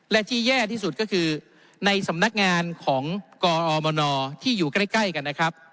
และที่แย่ที่สุดก็คือในสำนักงานของกอมนที่อยู่ใกล้กันนะครับ